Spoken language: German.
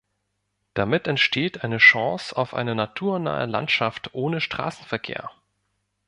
Damit entsteht auch eine Chance auf eine naturnahe Landschaft ohne Straßenverkehr.